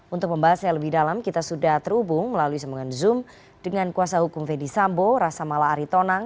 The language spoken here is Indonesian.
untuk pembahasannya lebih dalam kita sudah terhubung melalui semangat zoom dengan kuasa hukum verdi sambo rasamala aritonang